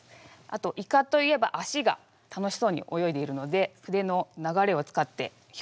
あとイカといえば足が楽しそうに泳いでいるので筆の流れを使って表現してみました。